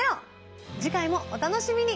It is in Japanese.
次回もお楽しみに。